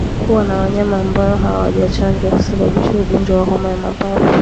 Kuwa na wanyama ambao hawajachanjwa husababisha ugonjwa wa homa ya mapafu